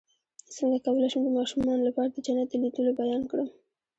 څنګه کولی شم د ماشومانو لپاره د جنت د لیدلو بیان کړم